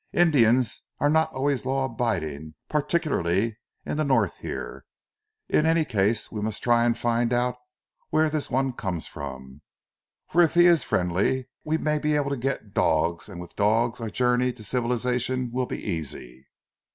"Indians are not always law abiding, particularly in the North here. In any case we must try and find out where this one comes from, for if he is friendly we may be able to get dogs, and with dogs our journey to civilization will be easy."